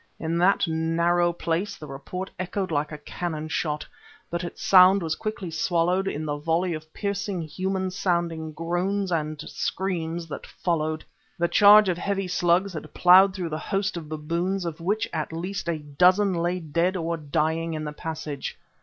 In that narrow place the report echoed like a cannon shot, but its sound was quickly swallowed in the volley of piercing human sounding groans and screams that followed. The charge of heavy slugs had ploughed through the host of baboons, of which at least a dozen lay dead or dying in the passage.